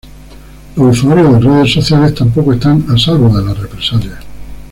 Los usuarios de redes sociales tampoco están a salvo de las represalias.